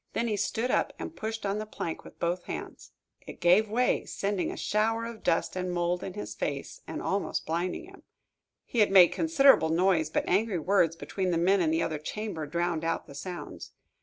Then he stood up and pushed on the plank with both hands. It gave way, sending down a shower of dust and mold in his face, and almost blinding him. He had made considerable noise, but angry words between the men in the other chamber drowned out the sounds.